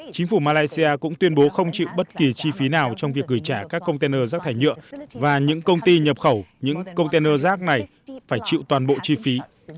chính phủ malaysia cũng tuyên bố không chịu bất kỳ chi phí nào trong việc gửi trả các container rác thải nhựa và những công ty nhập khẩu những container rác này phải chịu toàn bộ chi phí